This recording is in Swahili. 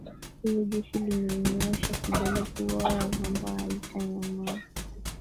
hiyo Jeshi limenyosha kidole kuoya kwamba halitanyamaa